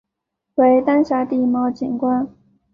为丹霞地貌景观。